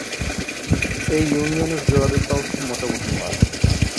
এই ইউনিয়নের যোগাযোগ ব্যবস্থা মোটামুটি মানের।